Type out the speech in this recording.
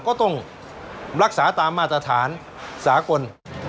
ก็ต้องรักษาตามมาตรฐานสากล